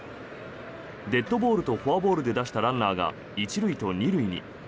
デッドボールとフォアボールで出したランナーが１塁と２塁に。